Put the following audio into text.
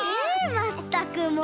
まったくもう！